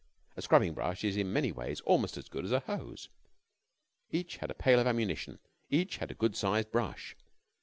A scrubbing brush is in many ways almost as good as a hose. Each had a pail of ammunition. Each had a good sized brush.